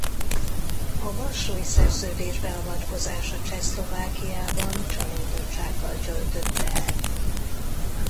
A Varsói Szerződés beavatkozása Csehszlovákiában csalódottsággal töltötte el.